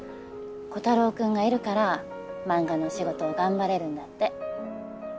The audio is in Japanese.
コタローくんがいるから漫画の仕事を頑張れるんだって。